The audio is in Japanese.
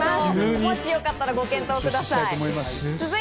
もしよかったらご検討ください。